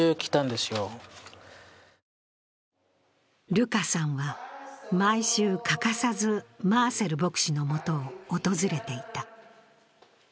ルカさんは毎週欠かさずマーセル牧師のもとを訪れていた。